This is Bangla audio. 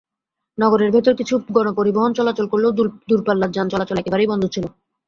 নগরের ভেতরে কিছু গণপরিবহন চলাচল করলেও দূরপাল্লার যান চলাচল একেবারেই বন্ধ ছিল।